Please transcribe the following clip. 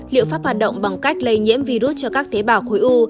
liệu pháp hoạt động bằng cách lây nhiễm virus cho các tế bào khối u